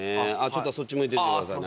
ちょっとそっち向いててください。